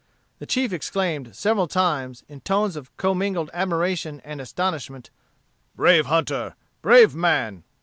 The chief exclaimed several times, in tones of commingled admiration and astonishment, "Brave hunter! brave man!"